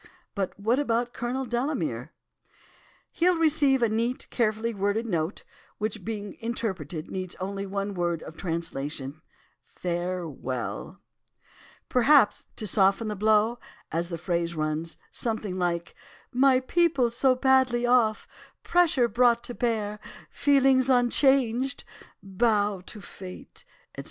But what about Colonel Delamere?' "'He'll receive a neat, carefully worded note, which being interpreted, needs only one word of translation, "farewell." "'Perhaps to soften the blow, as the phrase runs, something like "my people so badly off, pressure brought to bear—feelings unchanged—bow to Fate, etc."